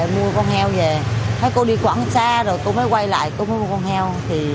mà để chùi chân